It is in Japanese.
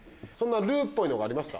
ルーっぽいのがありました？